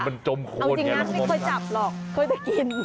เอาจริงนั้นไม่เคยจับหรอกเคยจะกิน